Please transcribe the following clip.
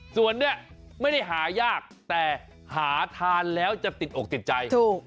ส่วนนี้ไม่ได้หายากแต่หาทานแล้วจะติดอกติดใจ